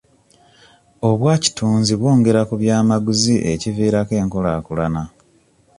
Obwakitunzi bwongera ku byamaguzi ekiviirako enkulaakulana.